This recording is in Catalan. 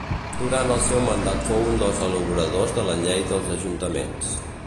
Durant el seu mandat fou un dels elaboradors de la Llei dels Ajuntaments.